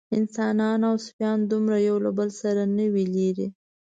انسانان او سپیان دومره یو له بله نه وي لېرې.